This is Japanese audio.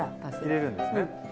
入れるんですね。